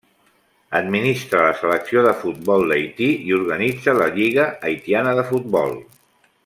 Administra la selecció de futbol d'Haití i organitza la lliga haitiana de futbol.